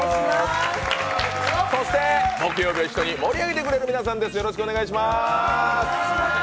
そして木曜日を一緒に盛り上げてくれる皆さんです、よろしくお願いします